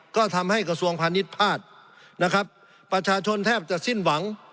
ก็ทำให้กระทรวงพาณิชย์พลาดนะครับประชาชนแทบจะสิ้นหวัง